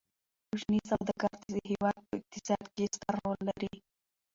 کوچني سوداګر د هیواد په اقتصاد کې ستر رول لري.